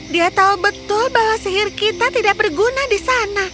dia tahu betul bahwa sihir kita tidak berguna di sana